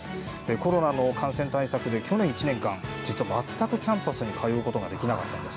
コロナの感染対策で去年１年間実は全くキャンパスに通うことができなかったんです。